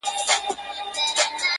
رسېدلی د لېوه په ځان بلاوو،